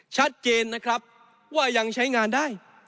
ชัดเจนนะครับว่ายังใช้งานได้